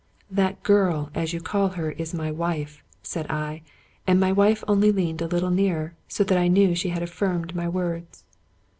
" That girl, as you call her, is my wife," said I ; and my wife only leaned a little nearer, so that I knew she had af firmed my words.